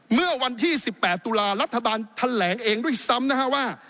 เมื่อวันที่๑๘ตุลารัฐบาลแถลงเองด้วยซ้ำนะฮะว่า